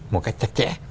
một cách chặt chẽ